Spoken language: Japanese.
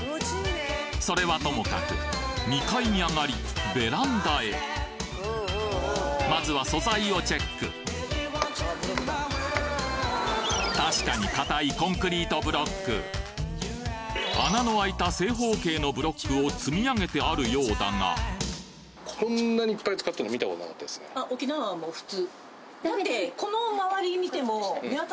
それはともかく２階に上がりベランダへまずは素材をチェック確かに硬い穴のあいた正方形のブロックを積み上げてあるようだがだってこの。